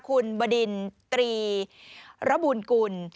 คุณธนทัศน์เล่ากันหน่อยนะคะ